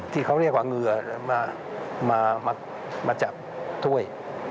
ที่เขาเรียกว่าเหงื่อมาจับถ้วย